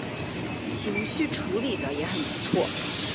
情绪处理的也很不错